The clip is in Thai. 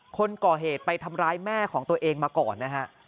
คนก่อเหตุไปทำร้ายแม่ของตัวเองมาก่อนนะฮะ